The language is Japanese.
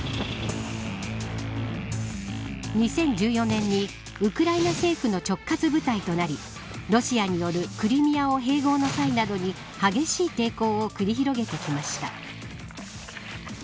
２０１４年にウクライナ政府の直轄部隊となりロシアによるクリミアを併合の際などに激しい抵抗を繰り広げてきました。